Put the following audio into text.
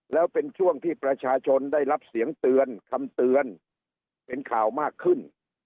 แล้วเป็นช่วงที่ประชาชนได้รับเสียงเตือนคำเตือนเป็นข่าวมากขึ้น